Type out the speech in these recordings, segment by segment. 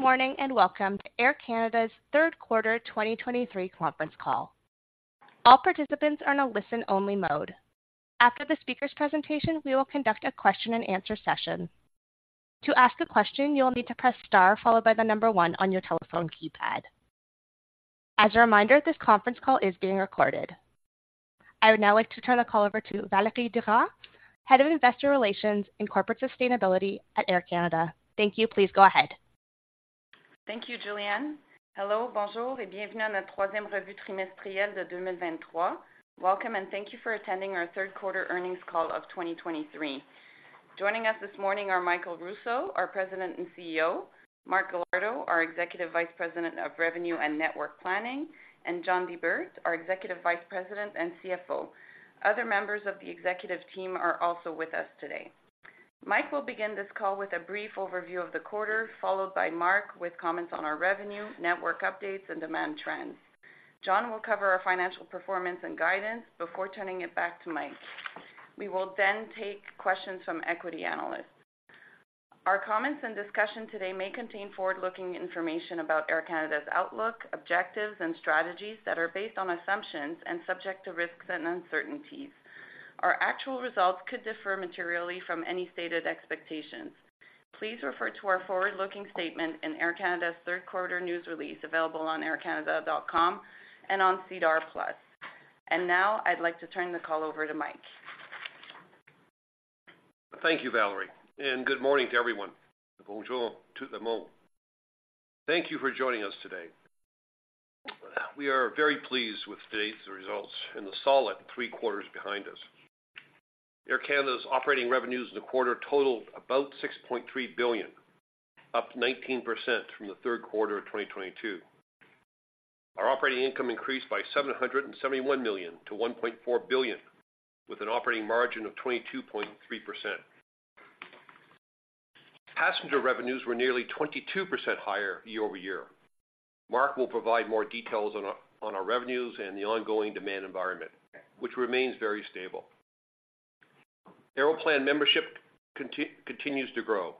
Good morning, and welcome to Air Canada's third quarter 2023 conference call. All participants are in a listen-only mode. After the speaker's presentation, we will conduct a question and answer session. To ask a question, you will need to press star followed by the number one on your telephone keypad. As a reminder, this conference call is being recorded. I would now like to turn the call over to Valérie Durand, Head of Investor Relations and Corporate Sustainability at Air Canada. Thank you. Please go ahead. Thank you, Julianne. Hello, bonjour, et bienvenue à notre troisième revue trimestrielle de 2023. Welcome, and thank you for attending our third quarter earnings call of 2023. Joining us this morning are Michael Rousseau, our President and CEO, Mark Galardo, our Executive Vice President of Revenue and Network Planning, and John Di Bert, our Executive Vice President and CFO. Other members of the executive team are also with us today. Mike will begin this call with a brief overview of the quarter, followed by Mark, with comments on our revenue, network updates, and demand trends. John will cover our financial performance and guidance before turning it back to Mike. We will then take questions from equity analysts. Our comments and discussion today may contain forward-looking information about Air Canada's outlook, objectives, and strategies that are based on assumptions and subject to risks and uncertainties. Our actual results could differ materially from any stated expectations. Please refer to our forward-looking statement in Air Canada's third quarter news release, available on aircanada.com and on SEDAR+. Now, I'd like to turn the call over to Mike. Thank you, Valerie, and good morning to everyone. Bonjour tout le monde. Thank you for joining us today. We are very pleased with today's results and the solid three quarters behind us. Air Canada's operating revenues in the quarter totaled about 6.3 billion, up 19% from the third quarter of 2022. Our operating income increased by 771 million to 1.4 billion, with an operating margin of 22.3%. Passenger revenues were nearly 22% higher year-over-year. Mark will provide more details on our revenues and the ongoing demand environment, which remains very stable. Aeroplan membership continues to grow.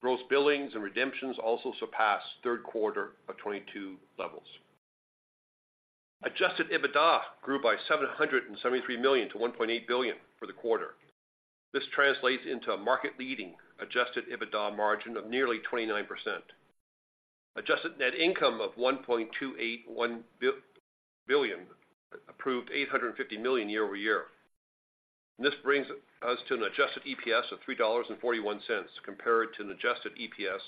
Gross billings and redemptions also surpassed third quarter of 2022 levels. Adjusted EBITDA grew by 773 million to 1.8 billion for the quarter. This translates into a market-leading adjusted EBITDA margin of nearly 29%. Adjusted net income of 1.281 billion, up 850 million year-over-year. This brings us to an adjusted EPS of 3.41 dollars, compared to an adjusted EPS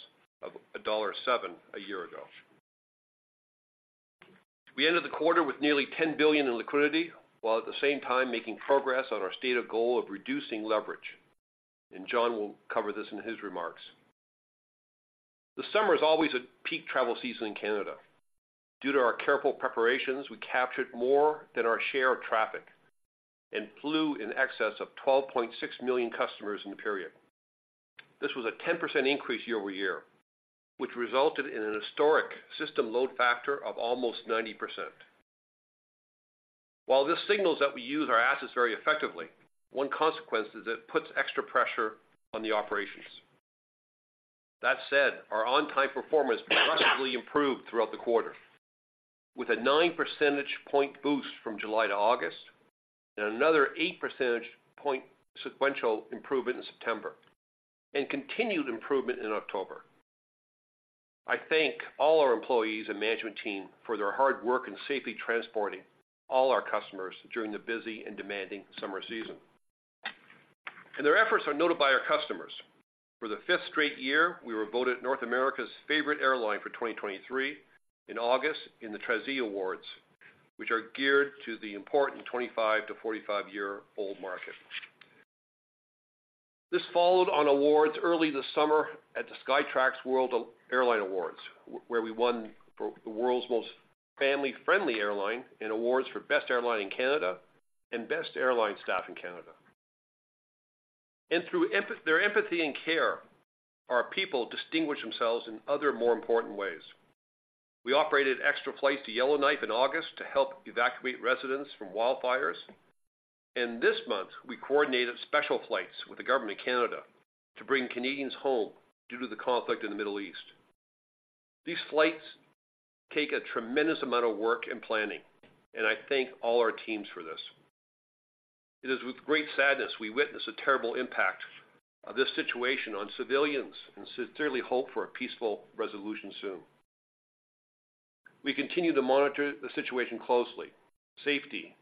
of dollar 1.07 a year ago. We ended the quarter with nearly 10 billion in liquidity, while at the same time making progress on our stated goal of reducing leverage, and John will cover this in his remarks. The summer is always a peak travel season in Canada. Due to our careful preparations, we captured more than our share of traffic and flew in excess of 12.6 million customers in the period. This was a 10% increase year-over-year, which resulted in an historic system load factor of almost 90%. While this signals that we use our assets very effectively, one consequence is it puts extra pressure on the operations. That said, our on-time performance progressively improved throughout the quarter, with a 9 percentage point boost from July to August, and another 8 percentage point sequential improvement in September, and continued improvement in October. I thank all our employees and management team for their hard work in safely transporting all our customers during the busy and demanding summer season. And their efforts are noted by our customers. For the fifth straight year, we were voted North America's favorite airline for 2023 in August in the Trazee Awards, which are geared to the important 25 to 45-year-old market. This followed on awards early this summer at the Skytrax World Airline Awards, where we won for the World's Most Family Friendly Airline and awards for Best Airline in Canada and Best Airline Staff in Canada. And through their empathy and care, our people distinguish themselves in other, more important ways. We operated extra flights to Yellowknife in August to help evacuate residents from wildfires, and this month we coordinated special flights with the Government of Canada to bring Canadians home due to the conflict in the Middle East. These flights take a tremendous amount of work and planning, and I thank all our teams for this. It is with great sadness, we witness the terrible impact of this situation on civilians, and sincerely hope for a peaceful resolution soon. We continue to monitor the situation closely. Safety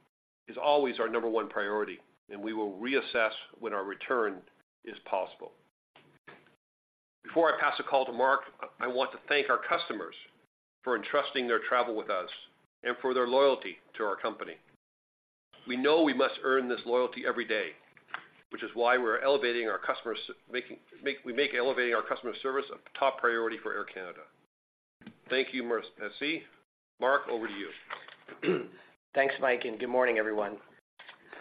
is always our number one priority, and we will reassess when our return is possible. Before I pass the call to Mark, I want to thank our customers for entrusting their travel with us and for their loyalty to our company. We know we must earn this loyalty every day, which is why we're elevating our customer service a top priority for Air Canada. Thank you, Merci. Mark, over to you. Thanks, Mike, and good morning, everyone.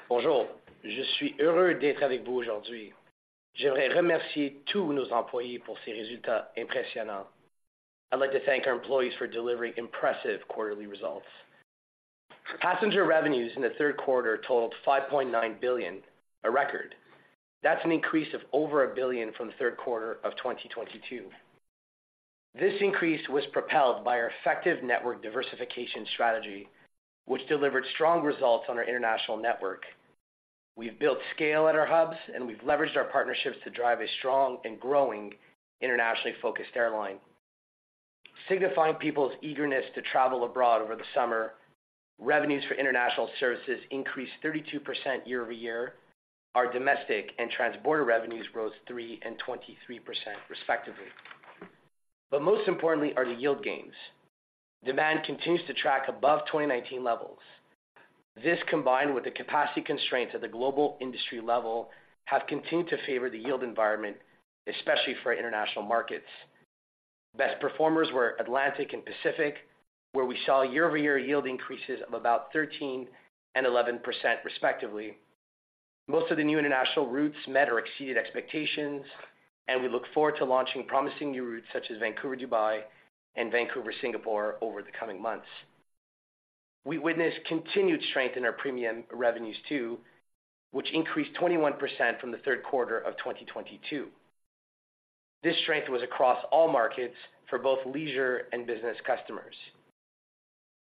Bonjour, je suis heureux d'être avec vous aujourd'hui. Je voudrais remercier tous nos employés pour ces résultats impressionnants. I'd like to thank our employees for delivering impressive quarterly results. Passenger revenues in the third quarter totaled 5.9 billion, a record. That's an increase of over 1 billion from the third quarter of 2022. This increase was propelled by our effective network diversification strategy, which delivered strong results on our international network. We've built scale at our hubs, and we've leveraged our partnerships to drive a strong and growing internationally focused airline. Signifying people's eagerness to travel abroad over the summer, revenues for international services increased 32% year-over-year. Our domestic and transborder revenues rose 3% and 23%, respectively. Most importantly are the yield gains. Demand continues to track above 2019 levels. This, combined with the capacity constraints at the global industry level, have continued to favor the yield environment, especially for international markets. Best performers were Atlantic and Pacific, where we saw year-over-year yield increases of about 13% and 11%, respectively. Most of the new international routes met or exceeded expectations, and we look forward to launching promising new routes, such as Vancouver, Dubai, and Vancouver, Singapore, over the coming months. We witnessed continued strength in our premium revenues, too, which increased 21% from the third quarter of 2022. This strength was across all markets for both leisure and business customers.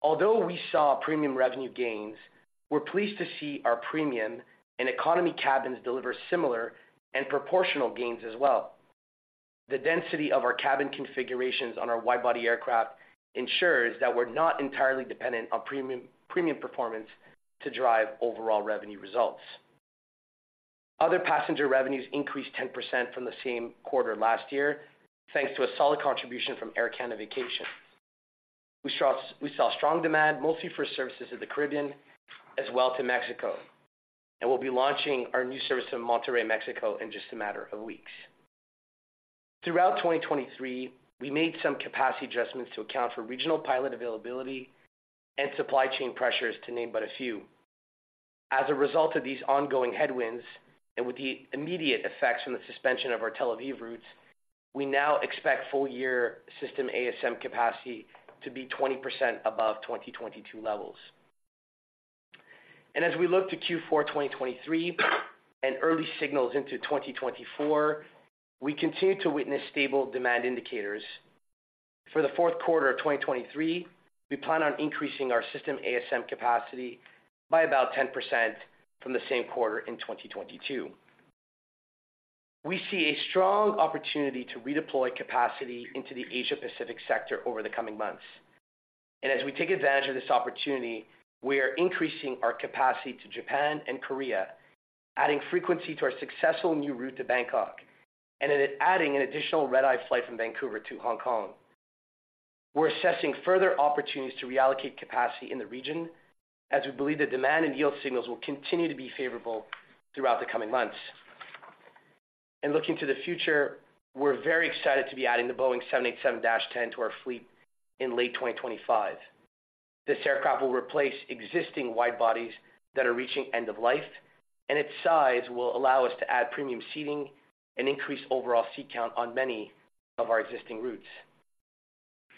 Although we saw premium revenue gains, we're pleased to see our premium and economy cabins deliver similar and proportional gains as well. The density of our cabin configurations on our wide-body aircraft ensures that we're not entirely dependent on premium, premium performance to drive overall revenue results. Other passenger revenues increased 10% from the same quarter last year, thanks to a solid contribution from Air Canada Vacations. We saw strong demand, mostly for services in the Caribbean as well to Mexico, and we'll be launching our new service to Monterrey, Mexico, in just a matter of weeks. Throughout 2023, we made some capacity adjustments to account for regional pilot availability and supply chain pressures, to name but a few. As a result of these ongoing headwinds, and with the immediate effects from the suspension of our Tel Aviv routes, we now expect full-year system ASM capacity to be 20% above 2022 levels. And as we look to Q4 2023 and early signals into 2024, we continue to witness stable demand indicators. For the fourth quarter of 2023, we plan on increasing our system ASM capacity by about 10% from the same quarter in 2022. We see a strong opportunity to redeploy capacity into the Asia-Pacific sector over the coming months, and as we take advantage of this opportunity, we are increasing our capacity to Japan and Korea, adding frequency to our successful new route to Bangkok, and then adding an additional red-eye flight from Vancouver to Hong Kong. We're assessing further opportunities to reallocate capacity in the region, as we believe the demand and yield signals will continue to be favorable throughout the coming months. And looking to the future, we're very excited to be adding the Boeing 787-10 to our fleet in late 2025. This aircraft will replace existing wide-bodies that are reaching end of life, and its size will allow us to add premium seating and increase overall seat count on many of our existing routes.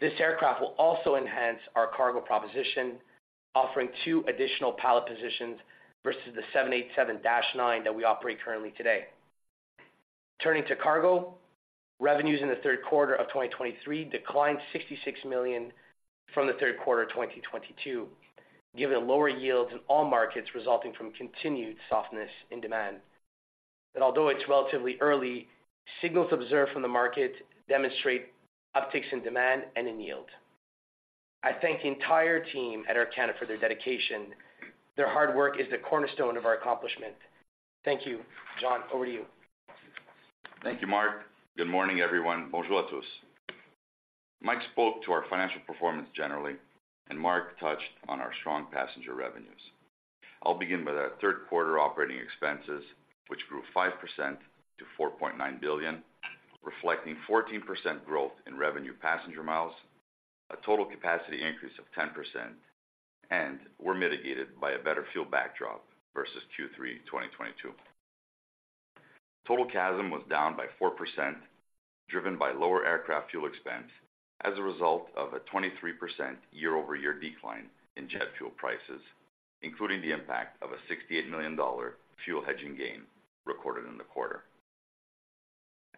This aircraft will also enhance our cargo proposition, offering two additional pallet positions versus the 787-9 that we operate currently today. Turning to cargo, revenues in the third quarter of 2023 declined 66 million from the third quarter of 2022, given the lower yields in all markets resulting from continued softness in demand. But although it's relatively early, signals observed from the market demonstrate upticks in demand and in yield. I thank the entire team at Air Canada for their dedication. Their hard work is the cornerstone of our accomplishment. Thank you. John, over to you. Thank you, Mark. Good morning, everyone. Bonjour à tous. Mike spoke to our financial performance generally, and Mark touched on our strong passenger revenues. I'll begin with our third quarter operating expenses, which grew 5% to 4.9 billion, reflecting 14% growth in revenue passenger miles, a total capacity increase of 10%, and were mitigated by a better fuel backdrop versus Q3 2022. Total CASM was down by 4%, driven by lower aircraft fuel expense as a result of a 23% year-over-year decline in jet fuel prices, including the impact of a 68 million dollar fuel hedging gain recorded in the quarter.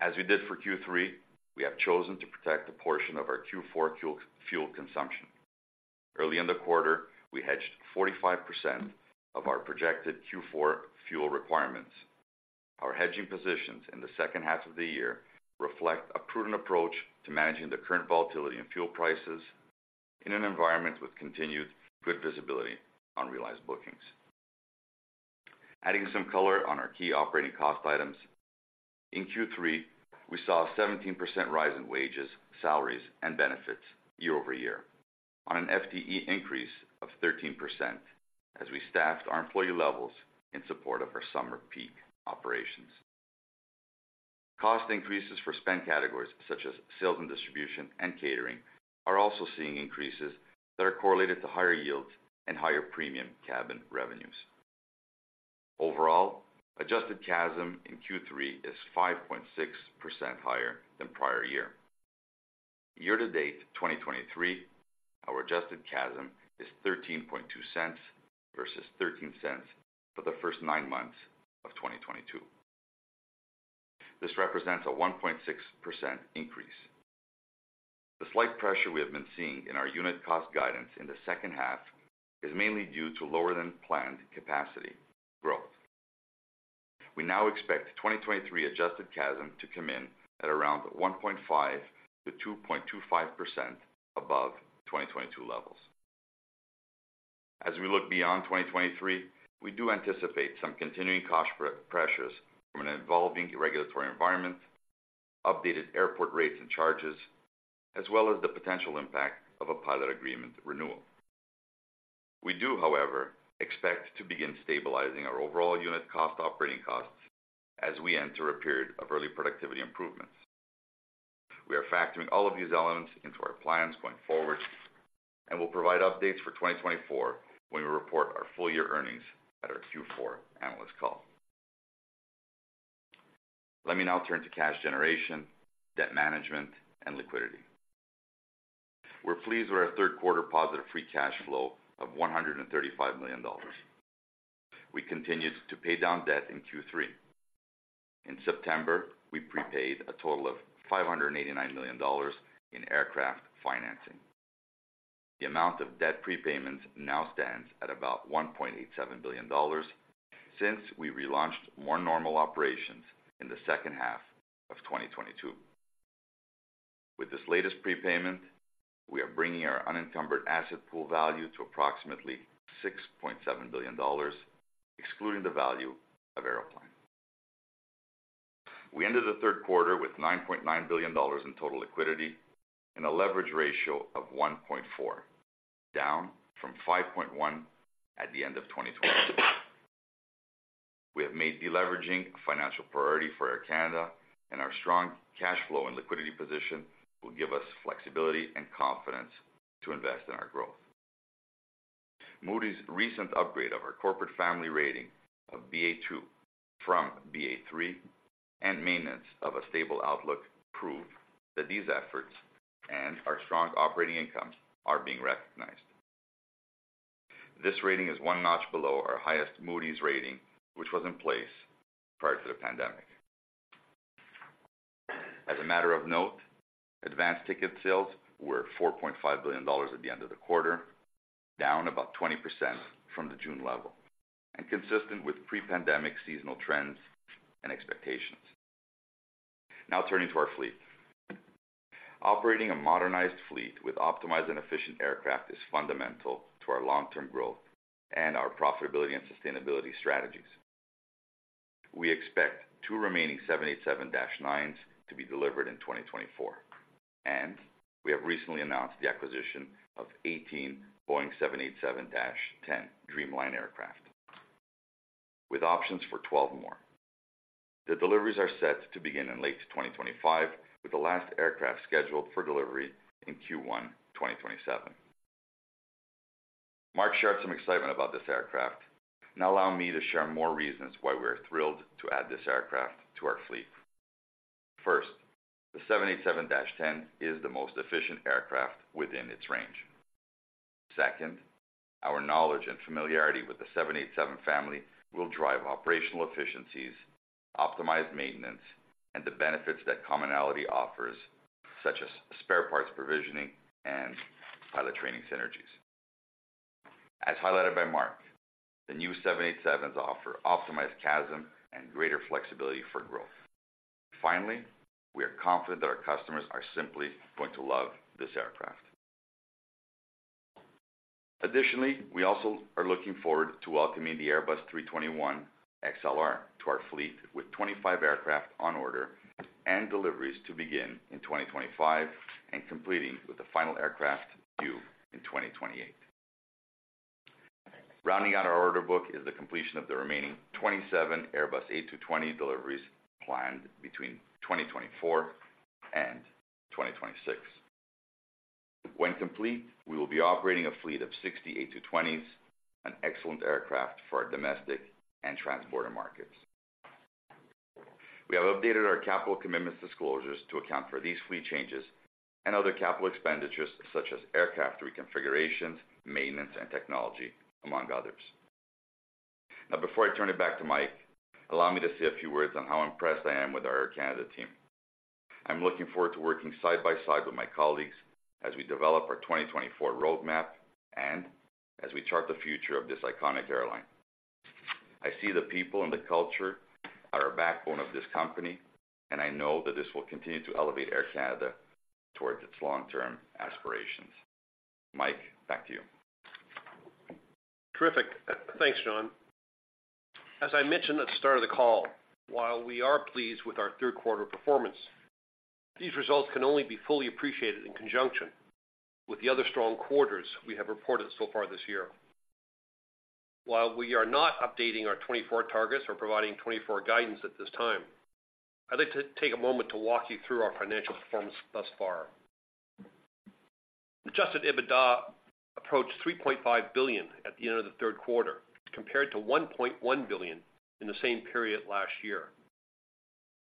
As we did for Q3, we have chosen to protect a portion of our Q4 fuel, fuel consumption. Early in the quarter, we hedged 45% of our projected Q4 fuel requirements. Our hedging positions in the second half of the year reflect a prudent approach to managing the current volatility in fuel prices in an environment with continued good visibility on realized bookings. Adding some color on our key operating cost items, in Q3, we saw a 17% rise in wages, salaries, and benefits year over year on an FTE increase of 13% as we staffed our employee levels in support of our summer peak operations. Cost increases for spend categories, such as sales and distribution and catering, are also seeing increases that are correlated to higher yields and higher premium cabin revenues. Overall, adjusted CASM in Q3 is 5.6% higher than prior year. Year-to-date 2023, our adjusted CASM is 0.132 versus 0.13 for the first nine months of 2022. This represents a 1.6% increase. The slight pressure we have been seeing in our unit cost guidance in the second half is mainly due to lower than planned capacity growth. We now expect 2023 Adjusted CASM to come in at around 1.5%-2.25% above 2022 levels. As we look beyond 2023, we do anticipate some continuing cost pressures from an evolving regulatory environment, updated airport rates and charges, as well as the potential impact of a pilot agreement renewal. We do, however, expect to begin stabilizing our overall unit cost operating costs as we enter a period of early productivity improvements. We are factoring all of these elements into our plans going forward, and we'll provide updates for 2024 when we report our full year earnings at our Q4 analyst call. Let me now turn to cash generation, debt management, and liquidity. We're pleased with our third quarter positive free cash flow of 135 million dollars. We continued to pay down debt in Q3. In September, we prepaid a total of 589 million dollars in aircraft financing. The amount of debt prepayments now stands at about 1.87 billion dollars since we relaunched more normal operations in the second half of 2022. With this latest prepayment, we are bringing our unencumbered asset pool value to approximately 6.7 billion dollars, excluding the value of Aeroplan. We ended the third quarter with 9.9 billion dollars in total liquidity and a leverage ratio of 1.4, down from 5.1 at the end of 2020. We have made deleveraging a financial priority for Air Canada, and our strong cash flow and liquidity position will give us flexibility and confidence to invest in our growth. Moody's recent upgrade of our corporate family rating of Ba2 from Ba3 and maintenance of a stable outlook prove that these efforts and our strong operating income are being recognized. This rating is one notch below our highest Moody's rating, which was in place prior to the pandemic. As a matter of note, advanced ticket sales were 4.5 billion dollars at the end of the quarter, down about 20% from the June level and consistent with pre-pandemic seasonal trends and expectations. Now turning to our fleet. Operating a modernized fleet with optimized and efficient aircraft is fundamental to our long-term growth and our profitability and sustainability strategies. We expect two remaining 787-9s to be delivered in 2024, and we have recently announced the acquisition of 18 Boeing 787-10 Dreamliner aircraft, with options for 12 more. The deliveries are set to begin in late 2025, with the last aircraft scheduled for delivery in Q1 2027. Mark shared some excitement about this aircraft. Now allow me to share more reasons why we're thrilled to add this aircraft to our fleet. First, the 787-10 is the most efficient aircraft within its range. Second, our knowledge and familiarity with the 787 family will drive operational efficiencies, optimize maintenance, and the benefits that commonality offers, such as spare parts, provisioning, and pilot training synergies. As highlighted by Mark, the new 787s offer optimized CASM and greater flexibility for growth. Finally, we are confident that our customers are simply going to love this aircraft. Additionally, we also are looking forward to welcoming the Airbus A321XLR to our fleet, with 25 aircraft on order and deliveries to begin in 2025 and completing with the final aircraft due in 2028. Rounding out our order book is the completion of the remaining 27 Airbus A220 deliveries planned between 2024 and 2026. When complete, we will be operating a fleet of 60 A220s, an excellent aircraft for our domestic and transborder markets. We have updated our capital commitments disclosures to account for these fleet changes and other capital expenditures, such as aircraft reconfigurations, maintenance, and technology, among others. Now, before I turn it back to Mike, allow me to say a few words on how impressed I am with our Air Canada team. I'm looking forward to working side by side with my colleagues as we develop our 2024 roadmap and as we chart the future of this iconic airline. I see the people and the culture are a backbone of this company, and I know that this will continue to elevate Air Canada towards its long-term aspirations. Mike, back to you. Terrific. Thanks, John. As I mentioned at the start of the call, while we are pleased with our third quarter performance, these results can only be fully appreciated in conjunction with the other strong quarters we have reported so far this year. While we are not updating our 2024 targets or providing 2024 guidance at this time, I'd like to take a moment to walk you through our financial performance thus far. Adjusted EBITDA approached 3.5 billion at the end of the third quarter, compared to 1.1 billion in the same period last year,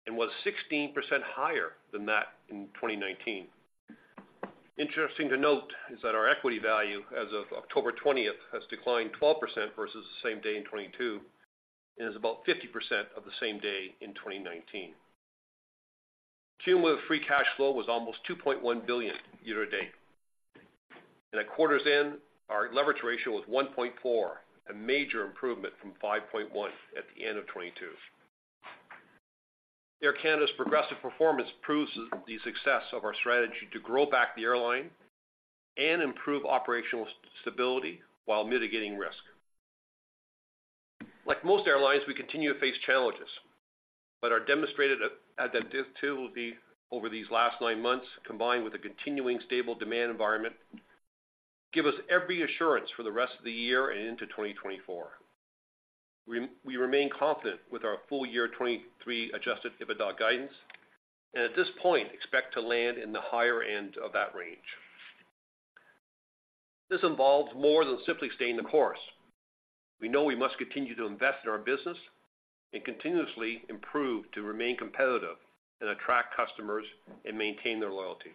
and was 16% higher than that in 2019. Interesting to note is that our equity value as of October 20 has declined 12% versus the same day in 2022, and is about 50% of the same day in 2019. Cumulative free cash flow was almost 2.1 billion year-to-date. At quarter's end, our leverage ratio was 1.4, a major improvement from 5.1 at the end of 2022. Air Canada's progressive performance proves the success of our strategy to grow back the airline and improve operational stability while mitigating risk. Like most airlines, we continue to face challenges, but our demonstrated adaptability over these last nine months, combined with a continuing stable demand environment, give us every assurance for the rest of the year and into 2024. We remain confident with our full year 2023 Adjusted EBITDA guidance, and at this point expect to land in the higher end of that range. This involves more than simply staying the course. We know we must continue to invest in our business and continuously improve to remain competitive and attract customers and maintain their loyalty.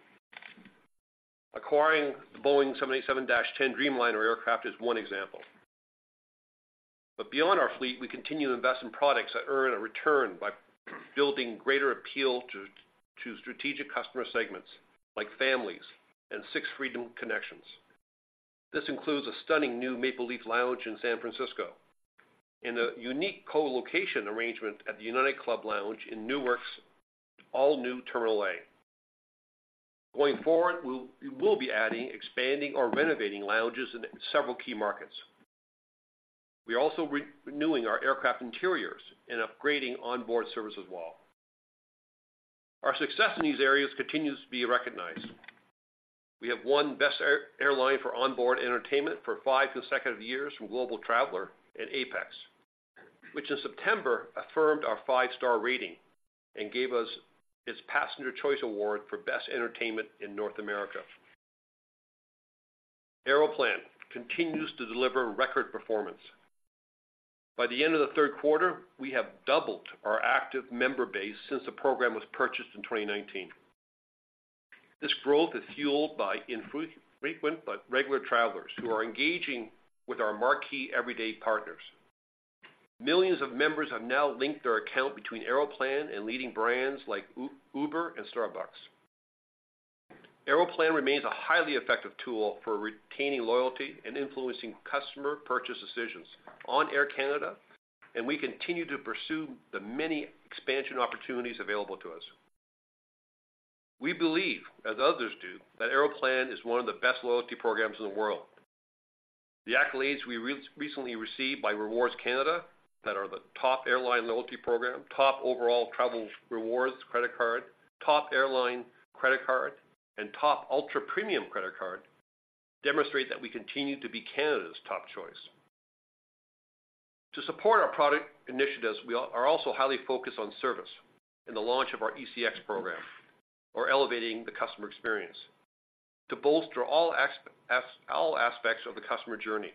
Acquiring the Boeing 787-10 Dreamliner aircraft is one example. But beyond our fleet, we continue to invest in products that earn a return by building greater appeal to, to strategic customer segments like families and Sixth Freedom connections. This includes a stunning new Maple Leaf Lounge in San Francisco, and a unique co-location arrangement at the United Club Lounge in Newark's all-new Terminal A. Going forward, we'll, we will be adding, expanding or renovating lounges in several key markets. We are also renewing our aircraft interiors and upgrading onboard service as well. Our success in these areas continues to be recognized. We have won Best Airline for Onboard Entertainment for five consecutive years from Global Traveler and APEX, which in September affirmed our five-star rating and gave us its Passenger Choice Award for Best Entertainment in North America. Aeroplan continues to deliver record performance. By the end of the third quarter, we have doubled our active member base since the program was purchased in 2019. This growth is fueled by infrequent but regular travelers who are engaging with our marquee everyday partners. Millions of members have now linked their account between Aeroplan and leading brands like Uber and Starbucks. Aeroplan remains a highly effective tool for retaining loyalty and influencing customer purchase decisions on Air Canada, and we continue to pursue the many expansion opportunities available to us. We believe, as others do, that Aeroplan is one of the best loyalty programs in the world. The accolades we recently received by Rewards Canada that are the top airline loyalty program, top overall travel rewards credit card, top airline credit card, and top ultra-premium credit card, demonstrate that we continue to be Canada's top choice. To support our product initiatives, we are also highly focused on service and the launch of our ECX program, or Elevating the Customer Experience, to bolster all aspects of the customer journey.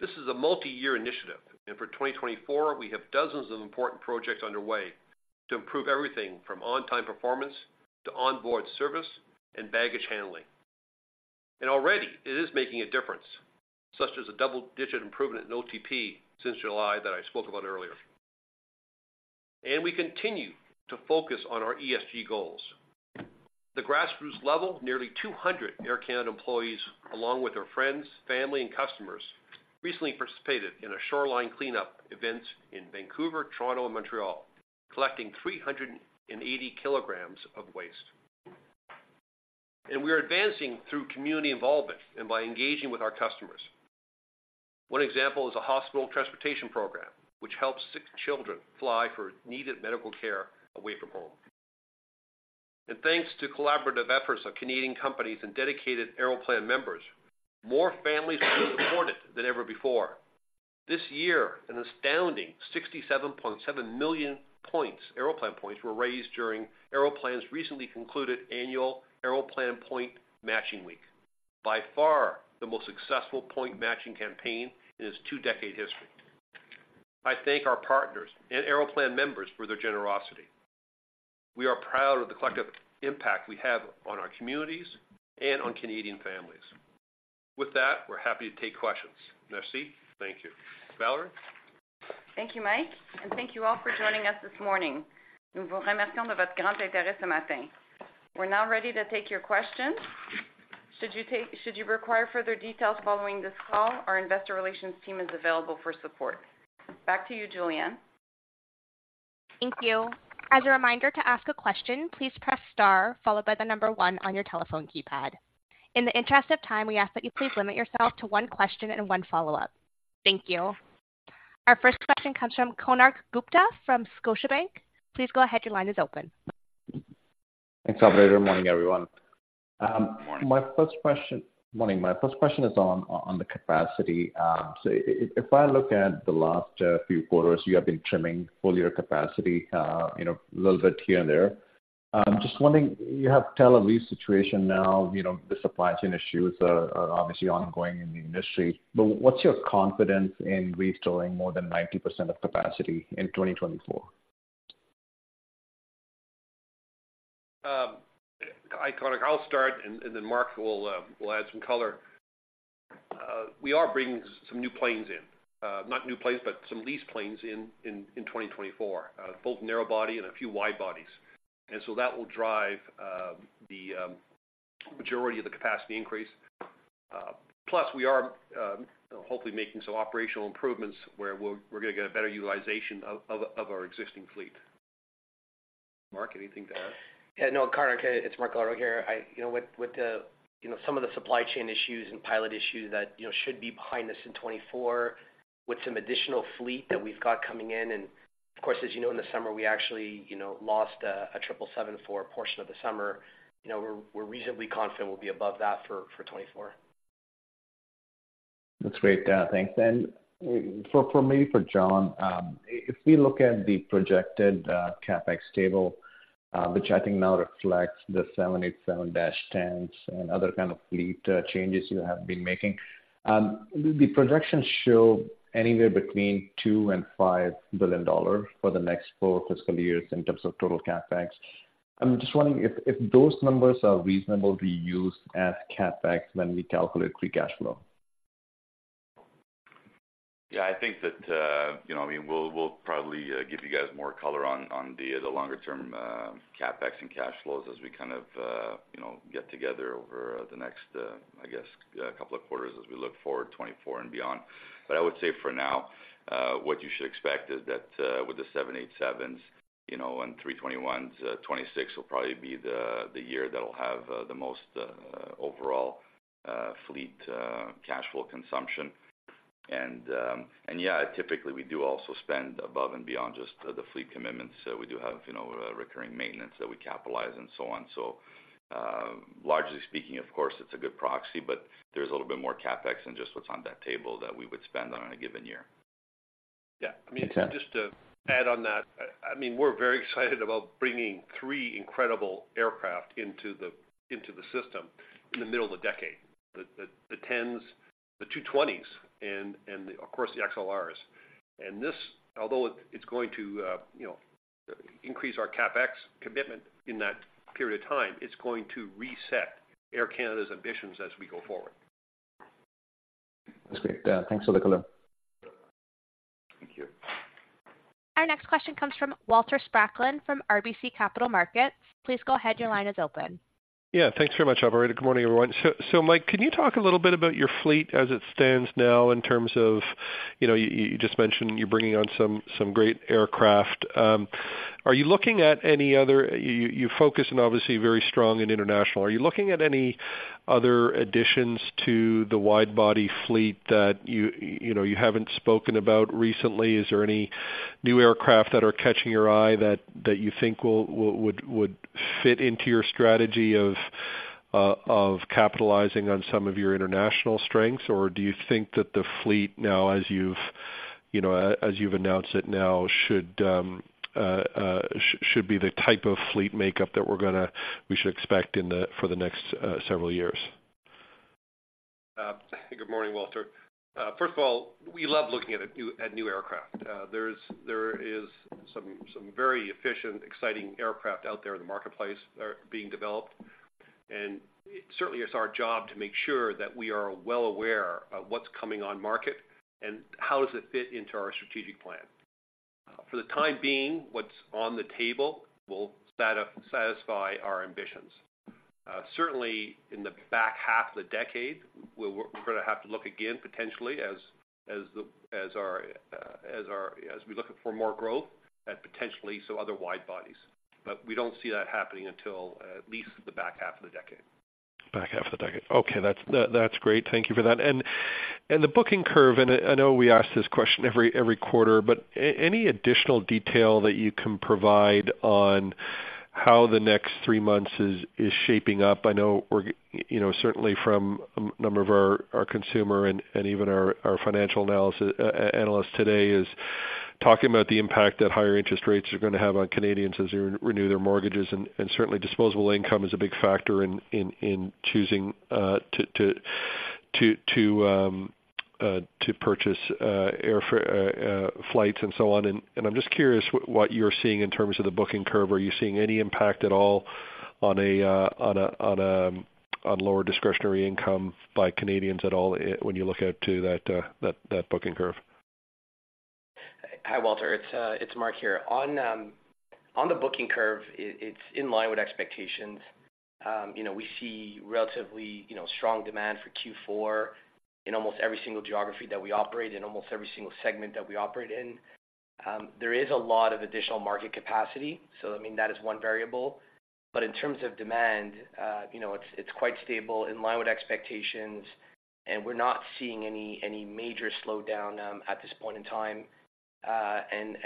This is a multi-year initiative, and for 2024, we have dozens of important projects underway to improve everything from on-time performance to onboard service and baggage handling. Already it is making a difference, such as a double-digit improvement in OTP since July that I spoke about earlier. We continue to focus on our ESG goals. The grassroots level, nearly 200 Air Canada employees, along with their friends, family, and customers, recently participated in a shoreline cleanup event in Vancouver, Toronto, and Montreal, collecting 380 kilograms of waste. We are advancing through community involvement and by engaging with our customers. One example is a hospital transportation program, which helps sick children fly for needed medical care away from home. Thanks to collaborative efforts of Canadian companies and dedicated Aeroplan members, more families are supported than ever before. This year, an astounding 67.7 million points, Aeroplan points, were raised during Aeroplan's recently concluded annual Aeroplan Point Matching Week. By far, the most successful point matching campaign in its two-decade history. I thank our partners and Aeroplan members for their generosity. We are proud of the collective impact we have on our communities and on Canadian families. With that, we're happy to take questions. Merci. Thank you. Valérie? Thank you, Mike, and thank you all for joining us this morning. We're now ready to take your questions. Should you require further details following this call, our investor relations team is available for support. Back to you, Julianne. Thank you. As a reminder to ask a question, please press star followed by the number one on your telephone keypad. In the interest of time, we ask that you please limit yourself to one question and one follow-up. Thank you. Our first question comes from Konark Gupta from Scotiabank. Please go ahead. Your line is open. Thanks, operator. Morning, everyone. Good morning. Morning. My first question is on the capacity. So if I look at the last few quarters, you have been trimming full year capacity, you know, a little bit here and there. Just wondering, you have Tel Aviv situation now, you know, the supply chain issues are obviously ongoing in the industry, but what's your confidence in restoring more than 90% of capacity in 2024? Karthik, I'll start, and then Mark will add some color. We are bringing some new planes in, not new planes, but some leased planes in 2024, both narrow body and a few wide bodies. And so that will drive the majority of the capacity increase. Plus, we are hopefully making some operational improvements where we're gonna get a better utilization of our existing fleet. Mark, anything to add? Yeah, no, Karthik, it's Mark Galardo here. You know, with, with the, you know, some of the supply chain issues and pilot issues that, you know, should be behind us in 2024, with some additional fleet that we've got coming in, and of course, as you know, in the summer, we actually, you know, lost a, a triple seven for a portion of the summer. You know, we're, we're reasonably confident we'll be above that for, for 2024. That's great, then. Thanks. Then for, for me, for John, if we look at the projected CapEx table, which I think now reflects the 787-10s and other kind of fleet changes you have been making, the projections show anywhere between 2 billion-5 billion dollars for the next four fiscal years in terms of total CapEx. I'm just wondering if, if those numbers are reasonable to use as CapEx when we calculate free cash flow? Yeah, I think that, you know, I mean, we'll, we'll probably give you guys more color on, on the, the longer term, CapEx and cash flows as we kind of, you know, get together over the next, I guess, a couple of quarters as we look forward, 2024 and beyond. But I would say for now, what you should expect is that, with the 787s, you know, and 321s, 2026 will probably be the, the year that'll have, the most, overall, fleet, cash flow consumption. And, yeah, typically, we do also spend above and beyond just the fleet commitments. We do have, you know, recurring maintenance that we capitalize and so on. So, largely speaking, of course, it's a good proxy, but there's a little bit more CapEx than just what's on that table that we would spend on a given year. Yeah. I mean, just to add on that, I mean, we're very excited about bringing three incredible aircraft into the system in the middle of the decade. The 10s, the 220s, and, of course, the XLRs. And this, although it's going to, you know, increase our CapEx commitment in that period of time, it's going to reset Air Canada's ambitions as we go forward. That's great. Thanks for the color. Thank you. Our next question comes from Walter Spracklin, from RBC Capital Markets. Please go ahead. Your line is open. Yeah, thanks very much, operator. Good morning, everyone. Mike, can you talk a little bit about your fleet as it stands now in terms of, you know, you just mentioned you're bringing on some great aircraft. Are you looking at any other—you focus on, obviously, very strong in international. Are you looking at any other additions to the wide-body fleet that you, you know, you haven't spoken about recently? Is there any new aircraft that are catching your eye that you think would fit into your strategy of capitalizing on some of your international strengths, or do you think that the fleet now, as you've, you know, as you've announced it now, should be the type of fleet makeup that we should expect for the next several years? Good morning, Walter. First of all, we love looking at new aircraft. There is some very efficient, exciting aircraft out there in the marketplace being developed, and certainly it's our job to make sure that we are well aware of what's coming on market and how does it fit into our strategic plan. For the time being, what's on the table will satisfy our ambitions. Certainly in the back half of the decade, we're gonna have to look again, potentially, as we look for more growth at potentially some other wide bodies. But we don't see that happening until at least the back half of the decade. Back half of the decade. Okay, that's great. Thank you for that. And the booking curve, and I know we ask this question every quarter, but any additional detail that you can provide on how the next three months is shaping up? I know we're, you know, certainly from a number of our consumer and even our financial analysts today is talking about the impact that higher interest rates are going to have on Canadians as they renew their mortgages, and certainly disposable income is a big factor in choosing to purchase airfare, flights and so on. And I'm just curious what you're seeing in terms of the booking curve. Are you seeing any impact at all on lower discretionary income by Canadians at all when you look out to that booking curve? Hi, Walter. It's Mark here. On the booking curve, it's in line with expectations. You know, we see relatively, you know, strong demand for Q4 in almost every single geography that we operate, in almost every single segment that we operate in. There is a lot of additional market capacity, so I mean, that is one variable. But in terms of demand, you know, it's quite stable, in line with expectations, and we're not seeing any major slowdown at this point in time. And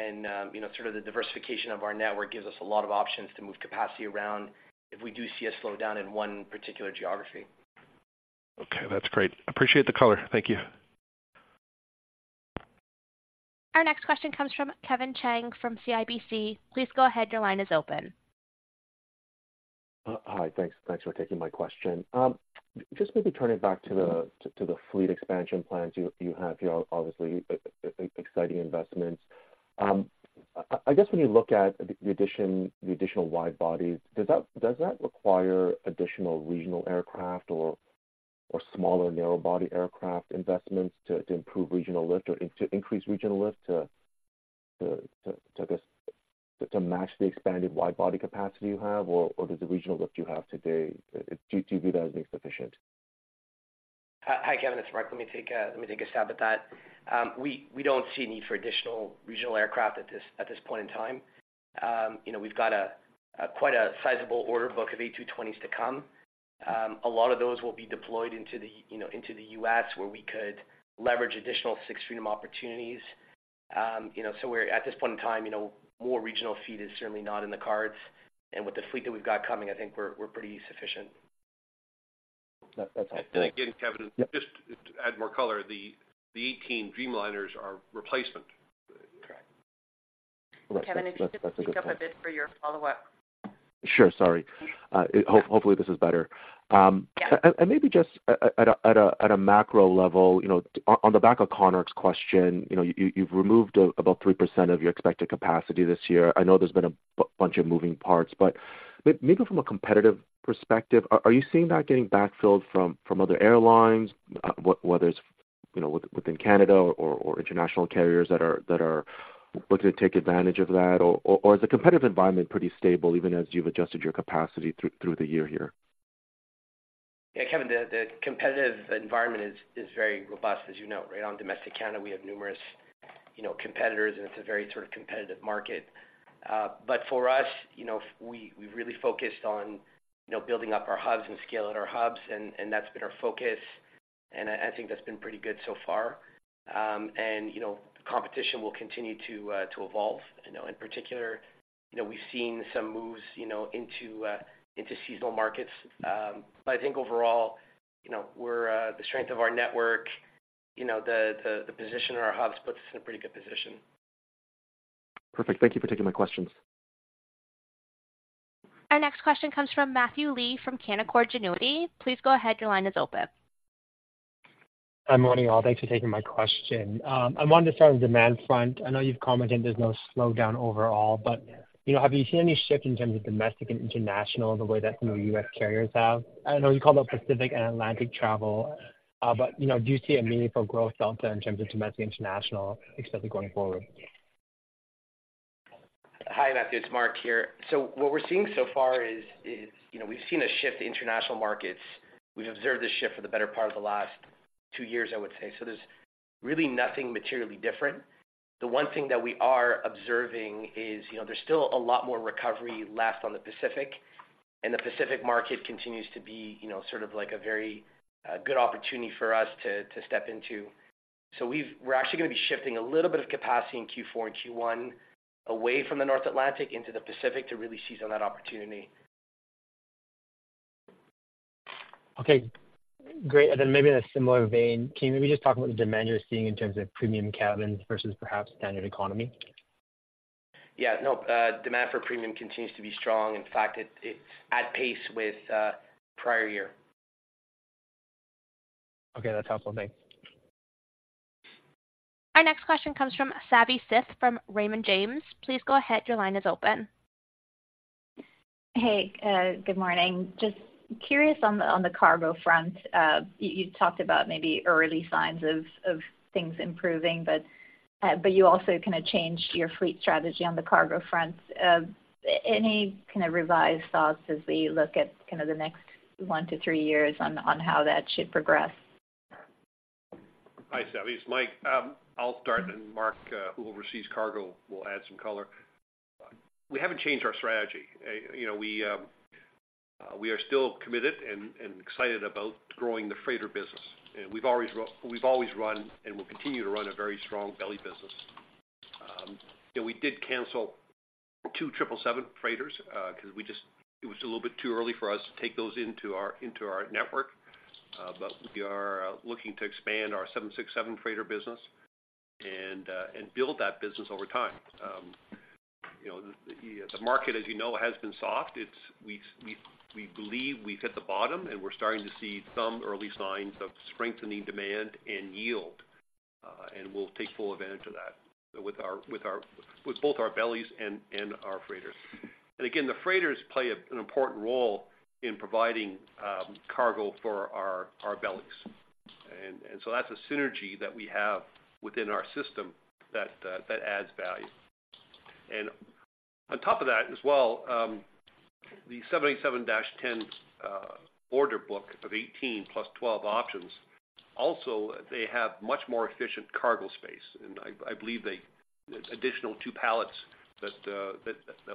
you know, sort of the diversification of our network gives us a lot of options to move capacity around if we do see a slowdown in one particular geography. Okay, that's great. Appreciate the color. Thank you. Our next question comes from Kevin Chiang from CIBC. Please go ahead. Your line is open. Hi. Thanks, thanks for taking my question. Just maybe turning back to the fleet expansion plans you have here, obviously, exciting investments. I guess when you look at the addition, the additional wide-bodies, does that require additional regional aircraft or smaller narrow-body aircraft investments to improve regional lift or to increase regional lift to, I guess, to match the expanded wide-body capacity you have? Or does the regional lift you have today, do you view that as sufficient? Hi, Kevin, it's Mark. Let me take a stab at that. We don't see a need for additional regional aircraft at this point in time. You know, we've got quite a sizable order book of A220s to come. A lot of those will be deployed into, you know, the U.S., where we could leverage additional Sixth Freedom opportunities. You know, so we're at this point in time, you know, more regional fleet is certainly not in the cards, and with the fleet that we've got coming, I think we're pretty sufficient. That's fine. Thank you. Again, Kevin- Yep. Just to add more color, the 18 Dreamliners are replacement. Correct. That's, that's- Kevin, if you could speak up a bit for your follow-up. Sure. Sorry. Hopefully this is better. And maybe just at a macro level, you know, on the back of Konark's question, you know, you've removed about 3% of your expected capacity this year. I know there's been a bunch of moving parts, but maybe from a competitive perspective, are you seeing that getting backfilled from other airlines? Whether it's, you know, within Canada or international carriers that are looking to take advantage of that, or is the competitive environment pretty stable, even as you've adjusted your capacity through the year here? Yeah, Kevin, the competitive environment is very robust, as you know, right? On domestic Canada, we have numerous, you know, competitors, and it's a very sort of competitive market. But for us, you know, we really focused on, you know, building up our hubs and scale at our hubs, and that's been our focus, and I think that's been pretty good so far. And, you know, competition will continue to evolve. You know, in particular, you know, we've seen some moves, you know, into seasonal markets. But I think overall, you know, we're the strength of our network, you know, the position in our hubs puts us in a pretty good position. Perfect. Thank you for taking my questions. Our next question comes from Matthew Lee, from Canaccord Genuity. Please go ahead. Your line is open. Hi, morning, all. Thanks for taking my question. I'm wondering from a demand front, I know you've commented there's no slowdown overall, but, you know, have you seen any shift in terms of domestic and international, the way that, you know, U.S. carriers have? I know you called out Pacific and Atlantic travel, but, you know, do you see a meaningful growth out there in terms of domestic, international, especially going forward? Hi, Matthew, it's Mark here. So what we're seeing so far is, you know, we've seen a shift in international markets. We've observed this shift for the better part of the last two years, I would say. So there's really nothing materially different. The one thing that we are observing is, you know, there's still a lot more recovery left on the Pacific, and the Pacific market continues to be, you know, sort of like a very good opportunity for us to step into. So we're actually going to be shifting a little bit of capacity in Q4 and Q1 away from the North Atlantic into the Pacific to really seize on that opportunity. Okay, great. And then maybe in a similar vein, can you maybe just talk about the demand you're seeing in terms of premium cabins versus perhaps standard economy? Yeah, no, demand for premium continues to be strong. In fact, it's at pace with prior year. Okay, that's helpful. Thank you. Our next question comes from Savi Syth from Raymond James. Please go ahead. Your line is open. Hey, good morning. Just curious on the cargo front, you talked about maybe early signs of things improving, but you also kind of changed your fleet strategy on the cargo front. Any kind of revised thoughts as we look at kind of the next one to three years on how that should progress? Hi, Savi, it's Mike. I'll start, and Mark, who oversees cargo, will add some color. We haven't changed our strategy. You know, we are still committed and excited about growing the freighter business, and we've always run and will continue to run a very strong belly business. You know, we did cancel two 777 freighters because it was a little bit too early for us to take those into our network. We are looking to expand our 767 freighter business and build that business over time. You know, the market, as you know, has been soft. We believe we've hit the bottom, and we're starting to see some early signs of strengthening demand and yield, and we'll take full advantage of that with both our bellies and our freighters. Again, the freighters play an important role in providing cargo for our bellies. And so that's a synergy that we have within our system that adds value. And on top of that as well, the 787-10 order book of 18 + 12 options also they have much more efficient cargo space, and I believe they additional two pallets that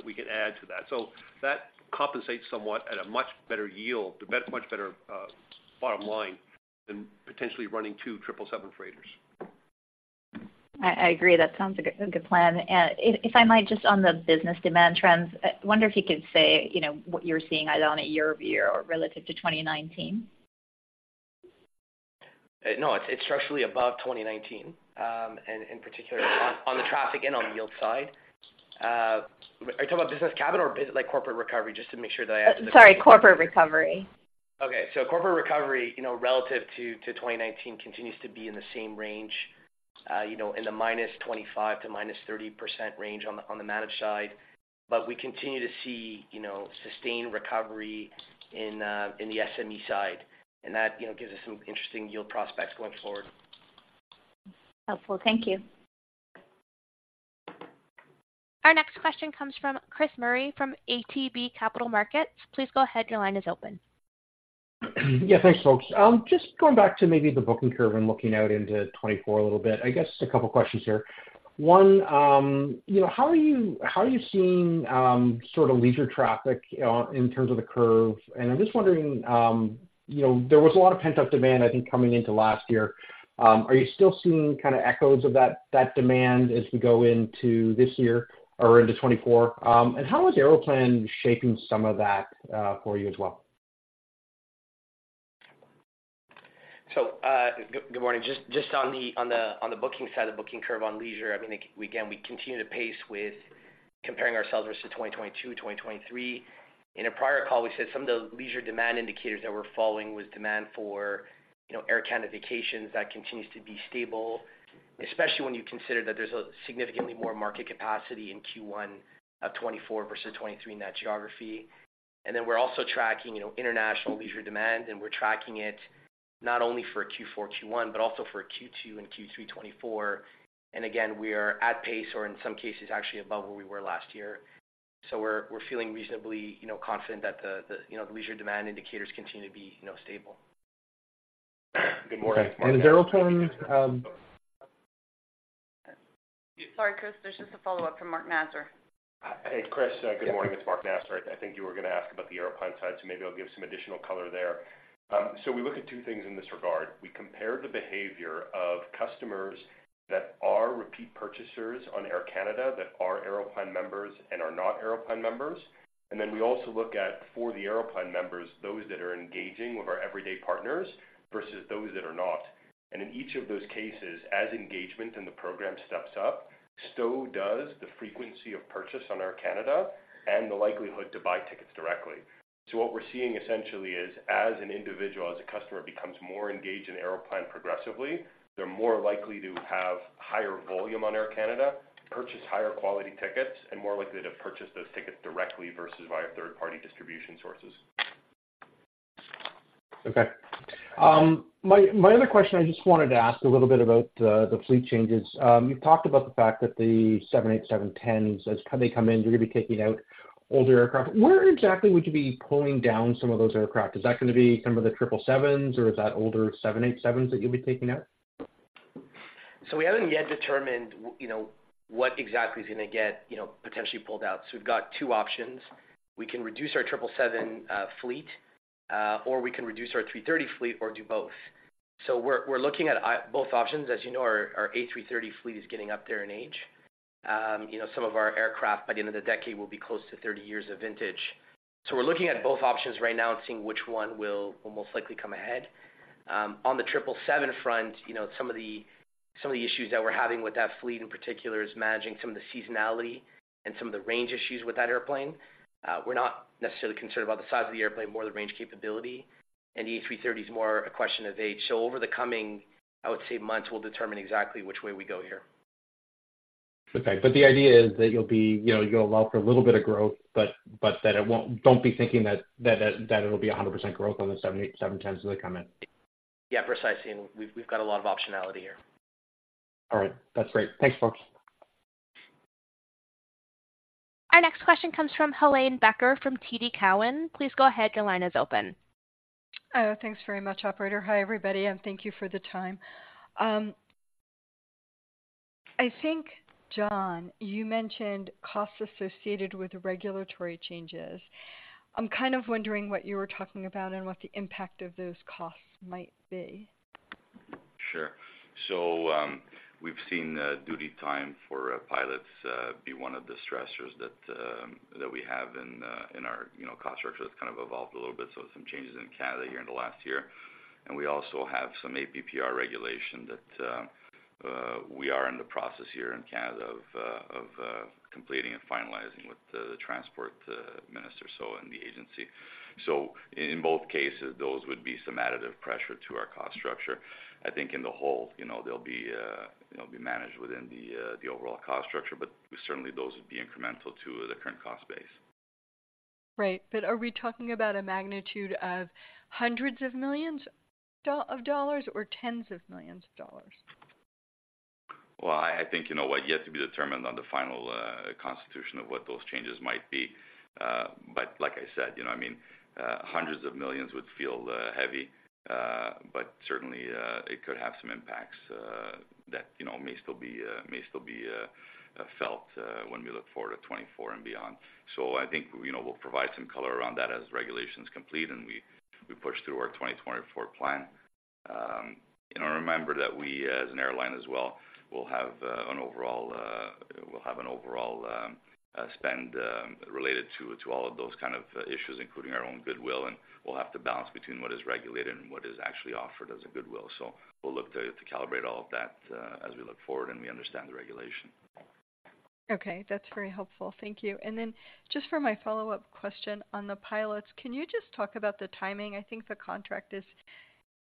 we can add to that. So that compensates somewhat at a much better yield, much better bottom line than potentially running two 777 freighters. I agree. That sounds like a good plan. And if I might just on the business demand trends, I wonder if you could say, you know, what you're seeing either on a year-over-year or relative to 2019? No, it's, it's structurally above 2019, and in particular, on the traffic and on the yield side. Are you talking about business cabin or, like, corporate recovery, just to make sure that I- Sorry, corporate recovery. Okay. So corporate recovery, you know, relative to 2019 continues to be in the same range, you know, in the -25% to -30% range on the managed side. But we continue to see, you know, sustained recovery in the SME side, and that, you know, gives us some interesting yield prospects going forward. Helpful. Thank you. Our next question comes from Chris Murray from ATB Capital Markets. Please go ahead. Your line is open. Yeah, thanks, folks. Just going back to maybe the booking curve and looking out into 2024 a little bit, I guess a couple questions here. One, you know, how are you seeing sort of leisure traffic in terms of the curve? And I'm just wondering, you know, there was a lot of pent-up demand, I think, coming into last year. Are you still seeing kind of echoes of that demand as we go into this year or into 2024? And how is Aeroplan shaping some of that for you as well? Good morning. Just on the booking side, the booking curve on leisure, I mean, again, we continue to pace with comparing ourselves versus 2022, 2023. In a prior call, we said some of the leisure demand indicators that we're following was demand for, you know, Air Canada Vacations. That continues to be stable, especially when you consider that there's a significantly more market capacity in Q1 of 2024 versus 2023 in that geography. And then we're also tracking, you know, international leisure demand, and we're tracking it not only for Q4, Q1, but also for Q2 and Q3 2024. And again, we are at pace, or in some cases, actually above where we were last year. So we're feeling reasonably, you know, confident that the leisure demand indicators continue to be, you know, stable. Good morning. And Aeroplan, Sorry, Chris, there's just a follow-up from Mark Nasr. Hey, Chris. Good morning. It's Mark Nasr. I think you were going to ask about the Aeroplan side, so maybe I'll give some additional color there. So we look at two things in this regard. We compare the behavior of customers that are repeat purchasers on Air Canada, that are Aeroplan members and are not Aeroplan members. And then we also look at, for the Aeroplan members, those that are engaging with our everyday partners versus those that are not. And in each of those cases, as engagement in the program steps up, so does the frequency of purchase on Air Canada and the likelihood to buy tickets directly. What we're seeing essentially is, as an individual, as a customer becomes more engaged in Aeroplan progressively, they're more likely to have higher volume on Air Canada, purchase higher quality tickets, and more likely to purchase those tickets directly versus via third-party distribution sources. Okay. My other question, I just wanted to ask a little bit about the fleet changes. You've talked about the fact that the 787-10s, as they come in, you're going to be taking out older aircraft. Where exactly would you be pulling down some of those aircraft? Is that going to be some of the 777s, or is that older 787s that you'll be taking out? So we haven't yet determined, you know, what exactly is going to get, you know, potentially pulled out. So we've got two options. We can reduce our 777 fleet or we can reduce our A330 fleet or do both. So we're looking at both options. As you know, our A330 fleet is getting up there in age. You know, some of our aircraft, by the end of the decade, will be close to 30 years of vintage. So we're looking at both options right now and seeing which one will most likely come ahead. On the 777 front, you know, some of the issues that we're having with that fleet, in particular, is managing some of the seasonality and some of the range issues with that airplane. We're not necessarily concerned about the size of the airplane, more the range capability, and the A330 is more a question of age. So over the coming, I would say, months, we'll determine exactly which way we go here. Okay. But the idea is that you'll be, you know, you'll allow for a little bit of growth, but that it won't... Don't be thinking that it'll be 100% growth on the 787-10s as they come in. Yeah, precisely. And we've got a lot of optionality here. All right. That's great. Thanks, folks. Our next question comes from Helane Becker, from TD Cowen. Please go ahead. Your line is open. Thanks very much, operator. Hi, everybody, and thank you for the time. I think, John, you mentioned costs associated with the regulatory changes. I'm kind of wondering what you were talking about and what the impact of those costs might be. Sure. So, we've seen duty time for pilots be one of the stressors that we have in our, you know, cost structure. That's kind of evolved a little bit, so some changes in Canada here in the last year. And we also have some APPR regulation that we are in the process here in Canada of completing and finalizing with the transport minister, so in the agency. So in both cases, those would be some additive pressure to our cost structure. I think in the whole, you know, they'll be managed within the overall cost structure, but certainly those would be incremental to the current cost base. Right. But are we talking about a magnitude of CAD hundreds of millions or CAD tens of millions? Well, I think, you know, yet to be determined on the final constitution of what those changes might be. But like I said, you know, I mean, CAD hundreds of millions would feel heavy, but certainly, it could have some impacts, that, you know, may still be felt, when we look forward to 2024 and beyond. So I think, you know, we'll provide some color around that as regulations complete, and we push through our 2024 plan. You know, remember that we, as an airline as well, will have an overall spend related to all of those kind of issues, including our own goodwill, and we'll have to balance between what is regulated and what is actually offered as a goodwill. So we'll look to calibrate all of that, as we look forward, and we understand the regulation. Okay, that's very helpful. Thank you. And then just for my follow-up question on the pilots, can you just talk about the timing? I think the contract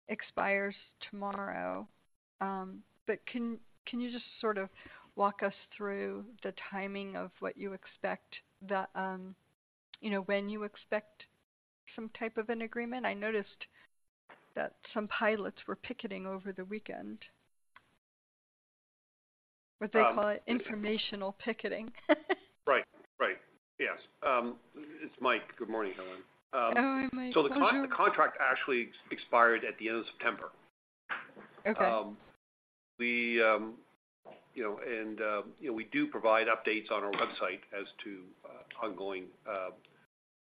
expires tomorrow, but can you just sort of walk us through the timing of what you expect, you know, when you expect some type of an agreement? I noticed that some pilots were picketing over the weekend. What they call informational picketing. Right. Right. Yes. It's Mike. Good morning, Helane. Oh, Mike, I'm sorry. So the contract actually expired at the end of September. Okay. We, you know, and, you know, we do provide updates on our website as to, you know, ongoing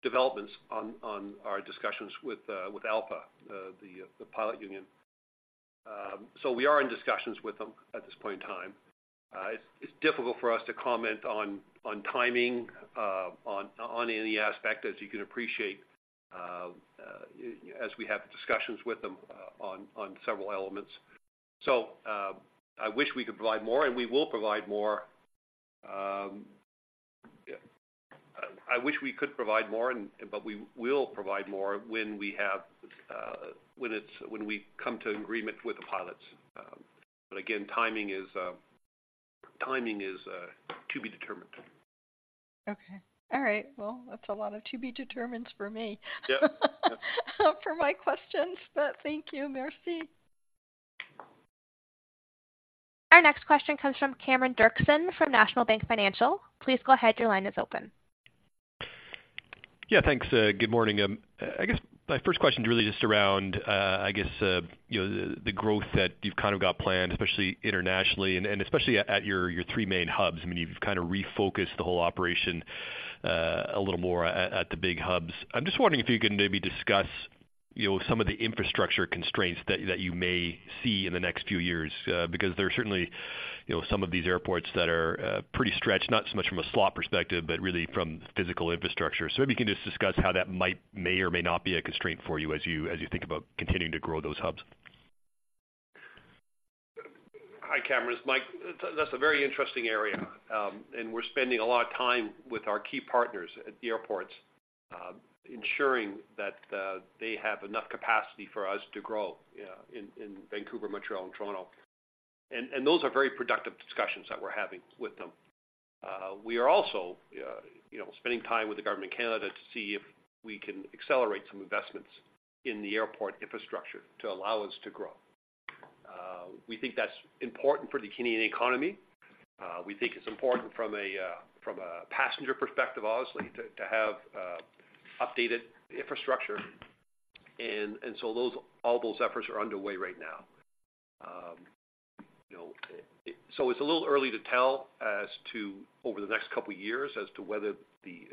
developments on our discussions with ALPA, the pilot union. We are in discussions with them at this point in time. It's difficult for us to comment on timing, on any aspect, as you can appreciate, as we have discussions with them on several elements. I wish we could provide more, and we will provide more. I wish we could provide more and-- but we will provide more when we have, when it's-- when we come to agreement with the pilots. Again, timing is, timing is, to be determined. Okay. All right. Well, that's a lot of "to be determineds" for me. Yeah. For my questions, but thank you. Merci. Our next question comes from Cameron Doerksen from National Bank Financial. Please go ahead. Your line is open. Yeah, thanks. Good morning. I guess my first question is really just around, I guess, you know, the, the growth that you've kind of got planned, especially internationally, and, and especially at, at your, your three main hubs. I mean, you've kind of refocused the whole operation, a little more at, at the big hubs. I'm just wondering if you can maybe discuss, you know, some of the infrastructure constraints that you, that you may see in the next few years. Because there are certainly, you know, some of these airports that are, pretty stretched, not so much from a slot perspective, but really from physical infrastructure. So maybe you can just discuss how that might, may or may not be a constraint for you as you, as you think about continuing to grow those hubs. Hi, Cameron, it's Mike. That's a very interesting area, and we're spending a lot of time with our key partners at the airports, ensuring that they have enough capacity for us to grow in Vancouver, Montreal, and Toronto. And those are very productive discussions that we're having with them. We are also, you know, spending time with the government of Canada to see if we can accelerate some investments in the airport infrastructure to allow us to grow. We think that's important for the Canadian economy. We think it's important from a passenger perspective, obviously, to have updated infrastructure. And so all those efforts are underway right now. You know, so it's a little early to tell as to over the next couple of years as to whether the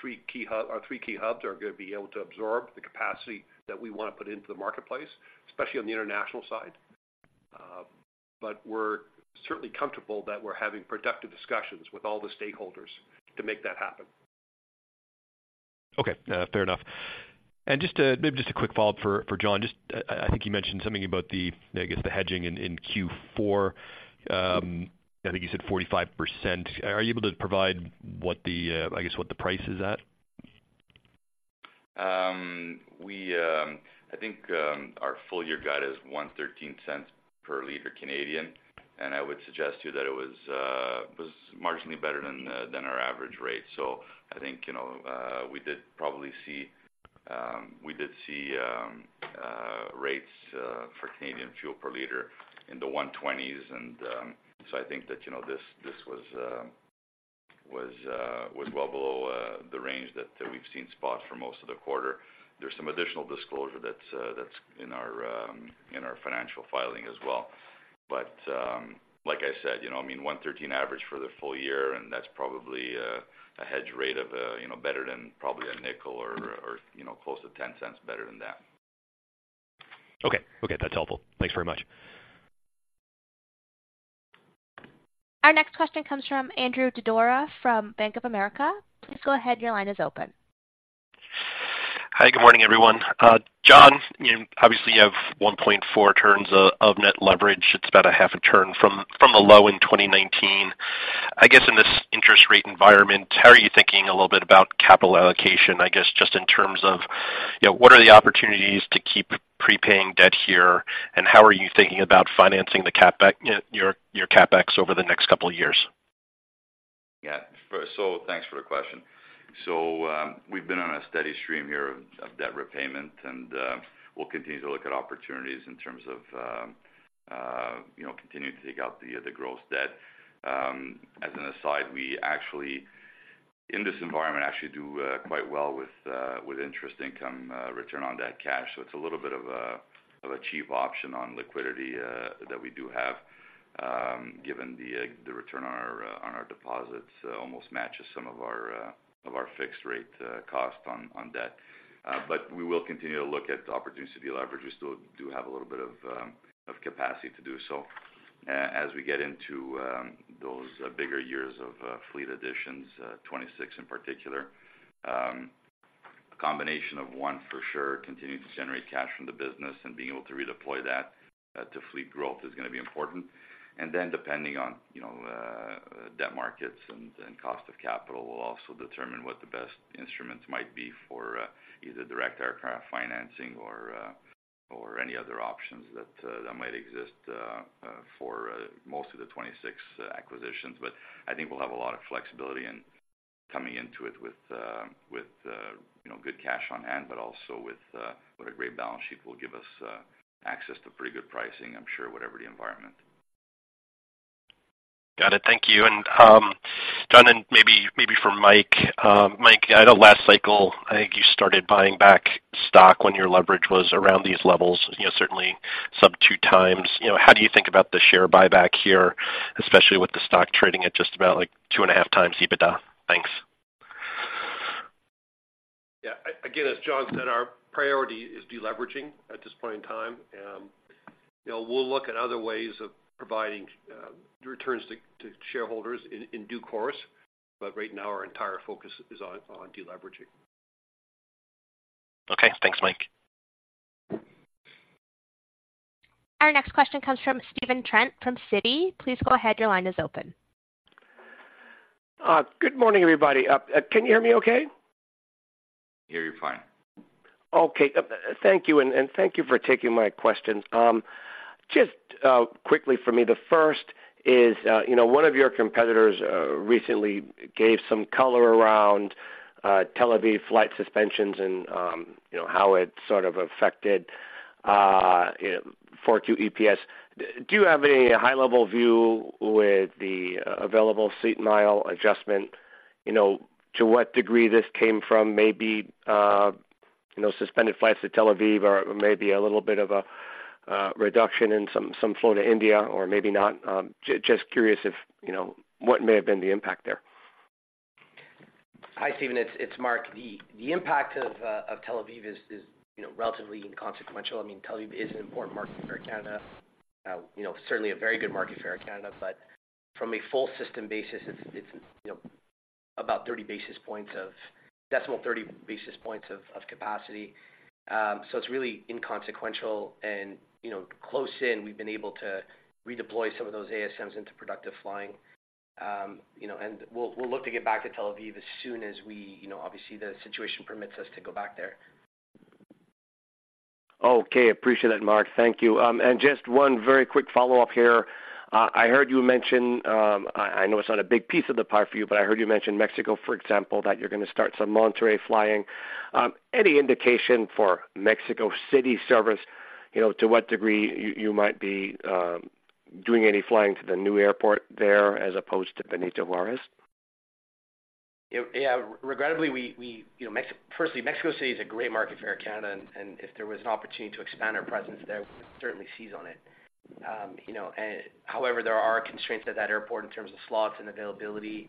three key hub, our three key hubs are going to be able to absorb the capacity that we want to put into the marketplace, especially on the international side. But we're certainly comfortable that we're having productive discussions with all the stakeholders to make that happen. Okay, fair enough. And just to, maybe just a quick follow-up for, for John. Just I, I think you mentioned something about the, I guess, the hedging in, in Q4. I think you said 45%. Are you able to provide what the, I guess, what the price is at? I think our full year guide is 1.13 per liter, and I would suggest to you that it was marginally better than our average rate. So I think, you know, we did probably see, we did see rates for Canadian fuel per liter in the 1.20s. And so I think that, you know, this, this was well below the range that we've seen spot for most of the quarter. There's some additional disclosure that's in our financial filing as well. But, like I said, you know, I mean, $1.13 average for the full year, and that's probably a hedge rate of, you know, better than probably a nickel or, you know, close to 10 cents better than that. Okay. Okay, that's helpful. Thanks very much. Our next question comes from Andrew Didora, from Bank of America. Please go ahead. Your line is open. Hi, good morning, everyone. John, you obviously have 1.4 turns of net leverage. It's about half a turn from a low in 2019. I guess, in this interest rate environment, how are you thinking a little bit about capital allocation? I guess, just in terms of, you know, what are the opportunities to keep prepaying debt here, and how are you thinking about financing the CapEx, your CapEx over the next couple of years? Yeah. So thanks for the question. So, we've been on a steady stream here of debt repayment, and we'll continue to look at opportunities in terms of, you know, continuing to take out the gross debt. As an aside, we actually, in this environment, actually do quite well with interest income, return on that cash. So it's a little bit of a cheap option on liquidity that we do have, given the return on our deposits almost matches some of our fixed rate cost on debt. But we will continue to look at the opportunity to deleverage. We still do have a little bit of capacity to do so. As we get into those bigger years of fleet additions, 2026 in particular, a combination of one, for sure, continuing to generate cash from the business and being able to redeploy that to fleet growth is gonna be important. And then, depending on, you know, debt markets and cost of capital, will also determine what the best instruments might be for either direct aircraft financing or any other options that that might exist for most of the 2026 acquisitions. But I think we'll have a lot of flexibility in coming into it with, with, you know, good cash on hand, but also with what a great balance sheet will give us access to pretty good pricing, I'm sure, whatever the environment. Got it. Thank you. And, John, and maybe, maybe for Mike. Mike, I know last cycle, I think you started buying back stock when your leverage was around these levels, you know, certainly sub 2x. You know, how do you think about the share buyback here, especially with the stock trading at just about, like, 2.5x EBITDA? Thanks. Yeah. As John said, our priority is deleveraging at this point in time. You know, we'll look at other ways of providing returns to shareholders in due course, but right now, our entire focus is on deleveraging. Okay. Thanks, Mike. Our next question comes from Stephen Trent from Citi. Please go ahead, your line is open. Good morning, everybody. Can you hear me okay? Yeah, you're fine. Okay, thank you, and thank you for taking my questions. Just quickly for me, the first is, you know, one of your competitors recently gave some color around Tel Aviv flight suspensions and, you know, how it sort of affected, you know, 4Q EPS. Do you have a high-level view with the available seat mile adjustment, you know, to what degree this came from? Maybe, you know, suspended flights to Tel Aviv or maybe a little bit of a reduction in some flow to India or maybe not. Just curious if, you know, what may have been the impact there? Hi, Stephen, it's Mark. The impact of Tel Aviv is, you know, relatively inconsequential. I mean, Tel Aviv is an important market for Air Canada. You know, certainly a very good market for Air Canada, but from a full system basis, it's, you know, about 30 basis points of decimal 30 basis points of capacity. So it's really inconsequential and, you know, close in, we've been able to redeploy some of those ASMs into productive flying. You know, and we'll look to get back to Tel Aviv as soon as we, you know, obviously, the situation permits us to go back there. Okay. Appreciate that, Mark. Thank you. And just one very quick follow-up here. I heard you mention, I know it's not a big piece of the pie for you, but I heard you mention Mexico, for example, that you're gonna start some Monterrey flying. Any indication for Mexico City service, you know, to what degree you might be doing any flying to the new airport there as opposed to Benito Juárez? Yeah, regrettably, we-- You know, firstly, Mexico City is a great market for Air Canada, and, and if there was an opportunity to expand our presence there, we would certainly seize on it. You know, and however, there are constraints at that airport in terms of slots and availability,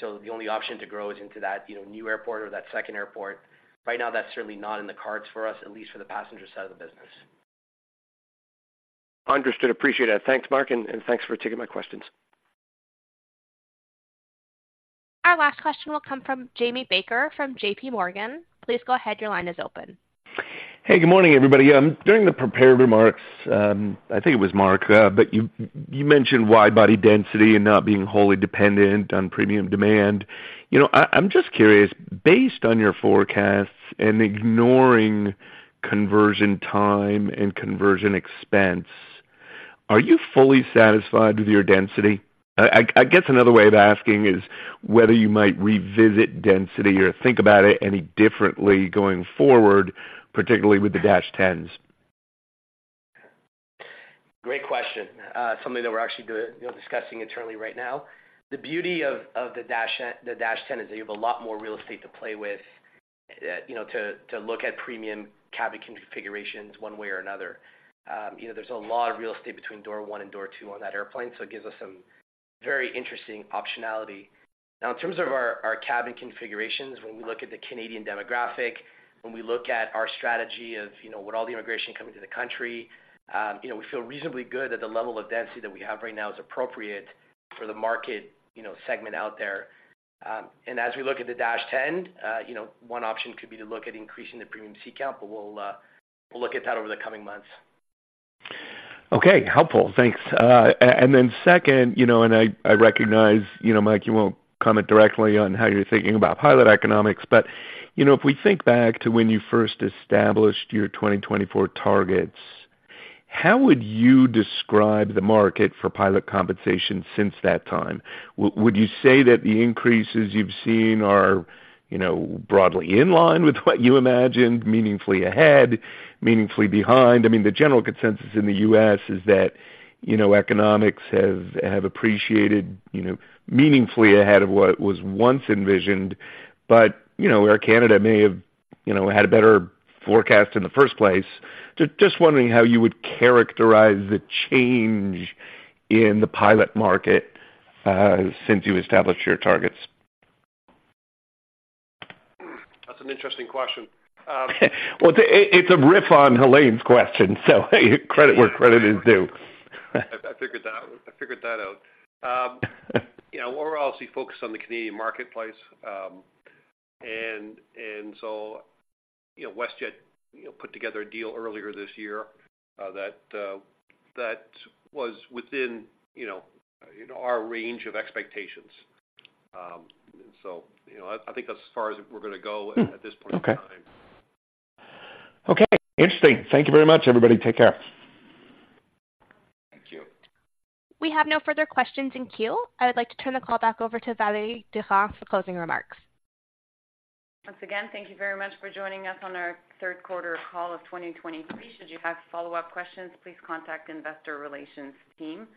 so the only option to grow is into that, you know, new airport or that second airport. Right now, that's certainly not in the cards for us, at least for the passenger side of the business. Understood. Appreciate it. Thanks, Mark, and thanks for taking my questions. Our last question will come from Jamie Baker from JPMorgan. Please go ahead. Your line is open. Hey, good morning, everybody. During the prepared remarks, I think it was Mark, but you mentioned wide-body density and not being wholly dependent on premium demand. You know, I'm just curious, based on your forecasts and ignoring conversion time and conversion expense, are you fully satisfied with your density? I guess another way of asking is whether you might revisit density or think about it any differently going forward, particularly with the 787-10s? Great question. Something that we're actually you know, discussing internally right now. The beauty of the Dash 10, the Dash 10is that you have a lot more real estate to play with, you know, to look at premium cabin configurations one way or another. You know, there's a lot of real estate between door one and door two on that airplane, so it gives us some very interesting optionality. Now, in terms of our cabin configurations, when we look at the Canadian demographic, when we look at our strategy of, you know, with all the immigration coming to the country, you know, we feel reasonably good that the level of density that we have right now is appropriate for the market, you know, segment out there. As we look at the 787-10, you know, one option could be to look at increasing the premium seat count, but we'll look at that over the coming months. Okay, helpful. Thanks. And then second, you know, and I recognize, you know, Mike, you won't comment directly on how you're thinking about pilot economics. But, you know, if we think back to when you first established your 2024 targets, how would you describe the market for pilot compensation since that time? Would you say that the increases you've seen are, you know, broadly in line with what you imagined, meaningfully ahead, meaningfully behind? I mean, the general consensus in the U.S. is that, you know, economics have appreciated, you know, meaningfully ahead of what was once envisioned. But, you know, Air Canada may have, you know, had a better forecast in the first place. Just wondering how you would characterize the change in the pilot market, since you established your targets. That's an interesting question. Well, it's a riff on Helane's question, so credit where credit is due. I figured that out. I figured that out. You know, we're obviously focused on the Canadian marketplace, and, you know, WestJet, you know, put together a deal earlier this year that was within, you know, our range of expectations. You know, I think that's as far as we're gonna go- Hmm. - at this point in time. Okay. Okay, interesting. Thank you very much, everybody. Take care. Thank you. We have no further questions in queue. I would like to turn the call back over to Valérie Durand for closing remarks. Once again, thank you very much for joining us on our third quarter call of 2023. Should you have follow-up questions, please contact Investor Relations team.